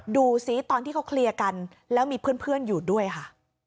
ดูซิตอนที่เขาเคลียร์กันแล้วมีเพื่อนอยู่ด้วยค่ะ